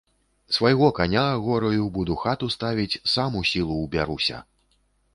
Свайго каня агораю, буду хату ставіць, сам у сілу ўбяруся.